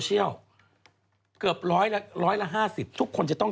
จากธนาคารกรุงเทพฯ